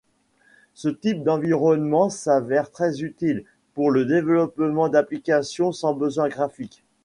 Ce type d'environnement s'avère très utile pour le développement d'applications sans besoins graphiques.